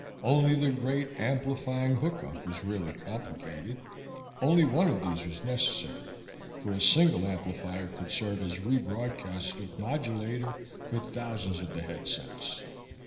Only the great amplifying hookup was really complicated. Only one of those was necessary, for a single amplifier could serve as re broadcaster modulator for thousands of the headsets.